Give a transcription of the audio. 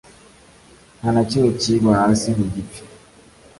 nta na kimwe kigwa hasi ngo gipfe